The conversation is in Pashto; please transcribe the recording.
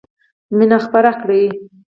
مینه خپره کړئ!